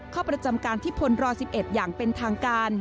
เข้าประจำการที่พลร๑๑อย่างเป็นทางการ